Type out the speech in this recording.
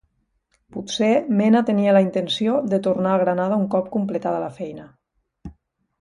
Potser Mena tenia la intenció de tornar a Granada un cop completada la feina.